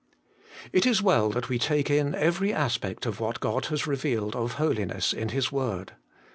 3. It is well that we take in every aspect of what God has revealed of holiness in His word.